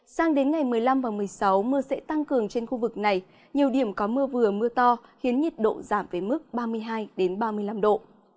sang đến ngày một mươi năm và một mươi sáu mưa sẽ tăng cường trên khu vực này nhiều điểm có mưa vừa mưa to khiến nhiệt độ giảm về mức ba mươi hai ba mươi năm độ